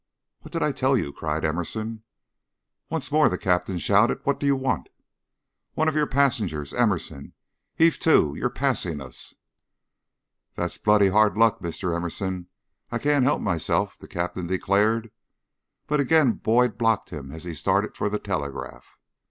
"What did I tell you?" cried Emerson. Once more the Captain shouted: "What do you want?" "One of your passengers Emerson. Heave to. You're passing us." "That's bloody hard luck, Mr. Emerson; I can't help myself," the Captain declared. But again Boyd blocked him as he started for the telegraph.